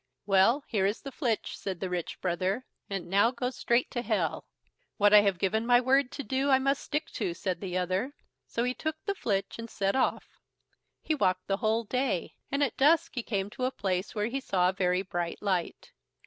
"Well, here is the flitch", said the rich brother, "and now go straight to Hell." "What I have given my word to do, I must stick to", said the other; so he took the flitch and set off. He walked the whole day, and at dusk he came to a place where he saw a very bright light.